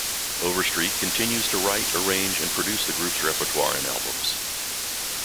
Overstreet continues to write, arrange and produce the group's repertoire and albums.